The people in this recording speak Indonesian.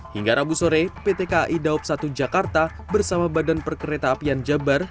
hingga rabu sore pt kai daup satu jakarta bersama badan perkereta apian jabar